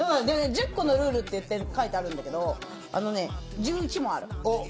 １０個のルールって言ってるんだけど、１１もある。